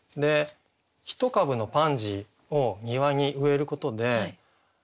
一株のパンジーを庭に植えることで急にね